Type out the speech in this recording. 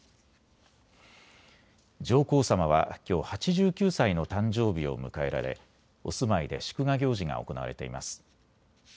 上皇さまはきょう８９歳の誕生日を迎えられお住まいで祝賀行事が行われています。